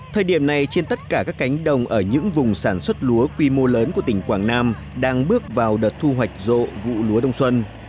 thời điểm này trên tất cả các cánh đồng ở những vùng sản xuất lúa quy mô lớn của tỉnh quảng nam đang bước vào đợt thu hoạch rộ vụ lúa đông xuân